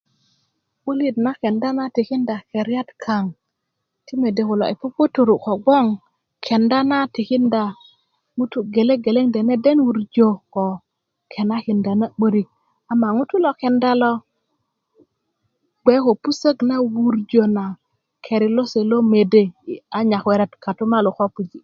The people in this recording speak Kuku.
'bulit na kenda tikinda keriyat kaŋ ti mede kulo i puputur kobgoŋ kenda na tikinda ŋutu gele geleŋ dende wurjö ko kenakinda na 'borik ama ŋutu lo kenda lo bge ko pusok na wurjö na keri lose lo mede a nyakwerat katumalu ko puji